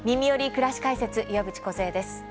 くらし解説」岩渕梢です。